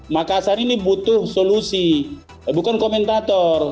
makassar ini butuh solusi bukan komentator